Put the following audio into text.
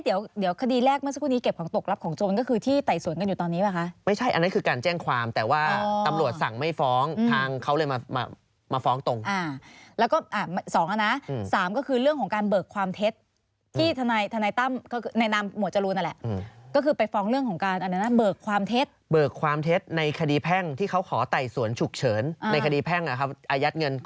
เอ๊ะเดี๋ยวคดีแรกเมื่อสักครู่นี้เก็บของตกรับของโจมตร์ก็คือที่ไต่สวนกันอยู่ตอนนี้ป่ะคะ